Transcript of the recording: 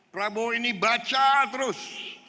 prabowo ini baca terus